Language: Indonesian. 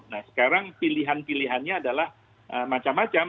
nah sekarang pilihan pilihannya adalah macam macam